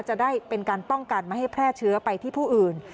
จะได้เป็นการป้องกันไม่ให้แพร่เชื้อไปที่ผู้อื่น